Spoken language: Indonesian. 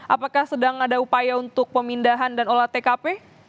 apakah sedang ada upaya untuk pemindahan dan olah tkp